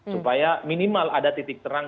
supaya minimal ada titik terang